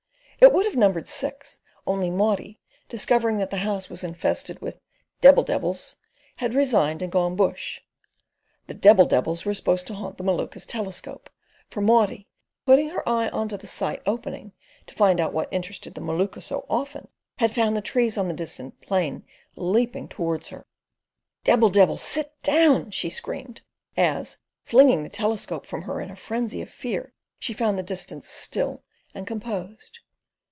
It would have numbered six, only Maudie, discovering that the house was infested with debbil debbils, had resigned and "gone bush." The debbil debbils were supposed to haunt the Maluka's telescope, for Maudie, on putting her eye to the sight opening, to find out what interested the Maluka so often, had found the trees on the distant plain leaping towards her. "Debbil debbil, sit down," she screamed, as, flinging the telescope from her in a frenzy of fear, she found the distance still and composed.